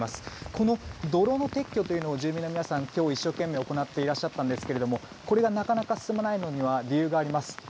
この泥の撤去というのを住民の皆さん、今日一生懸命行っていらっしゃったんですがこれがなかなか進まないのには理由があります。